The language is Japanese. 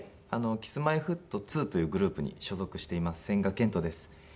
Ｋｉｓ−Ｍｙ−Ｆｔ２というグループに所属しています千賀健永です。